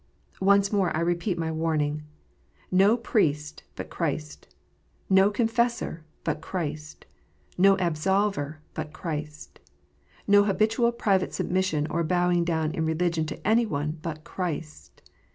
Once more I repeat my warning. No priest but Christ ! ]S T o confessor but Christ ! No absolver but Christ ! No habitual private submission or bowing down in religion to any one but Christ